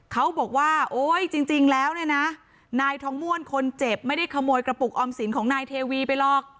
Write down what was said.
เขาบอกว่าโอ๊ยจริงแล้วเนี่ยนะนายทองม่วนคนเจ็บไม่ได้ขโมยกระปุกออมสินของนายเทวีไปหรอก